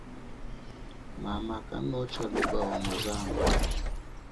Mama kanotsha luba wa muzambu.